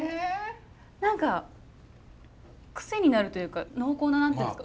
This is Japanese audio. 何か癖になるというか濃厚な何て言うんですか？